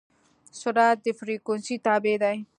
سرعت د فریکونسي تابع دی.